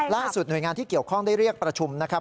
หน่วยงานที่เกี่ยวข้องได้เรียกประชุมนะครับ